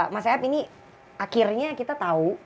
mas ep ini akhirnya kita tahu